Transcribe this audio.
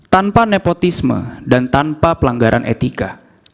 tanpa nepotisme dan tanpa pelanggaran etika